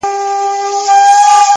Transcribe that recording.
خير دی!! زه داسي یم!! چي داسي نه وم!!